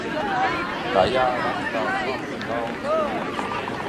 Tajā rakstās labi un daudz.